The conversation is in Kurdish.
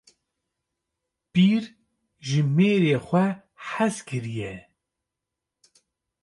Pir ji mêrê xwe hez kiriye.